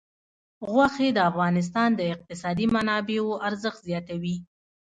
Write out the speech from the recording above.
غوښې د افغانستان د اقتصادي منابعو ارزښت زیاتوي.